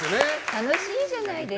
楽しいじゃないですか。